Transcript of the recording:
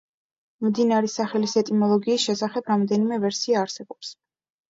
მდინარის სახელის ეტიმოლოგიის შესახებ რამდენიმე ვერსია არსებობს.